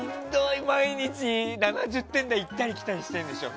毎日７０点台を行ったり来たりしてるんでしょ？